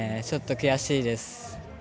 ちょっと悔しいです。